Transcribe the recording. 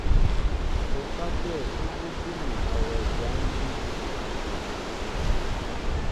Ukátə̂ ú bútí mi a wɛ jǎn jí bú.